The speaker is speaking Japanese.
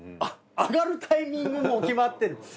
上がるタイミングも決まってる。